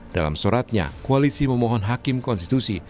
dalam suratnya koalisi memohon hakim konstitusi